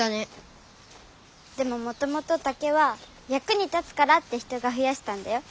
でももともと竹はやくに立つからって人がふやしたんだよ。